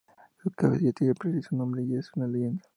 Su cabeza ya tiene precio, su nombre ya es una leyenda.